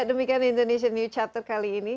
demikian indonesian new chapter kali ini